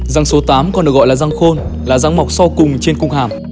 răng số tám còn được gọi là răng khôn là răng mọc so cùng trên cung hàm